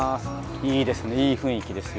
いいですねいい雰囲気ですよ。